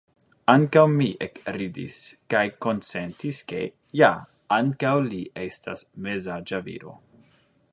Ankaŭ mi ekridis, kaj konsentis ke, ja ankaŭ li estas mezaĝa viro.